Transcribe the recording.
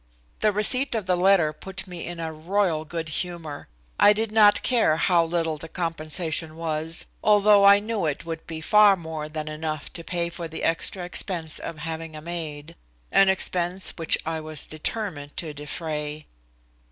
The receipt of the letter put me in a royal good humor. I did not care how little the compensation was, although I knew it would be far more than enough to pay the extra expense of having a maid, an expense which I was determined to defray.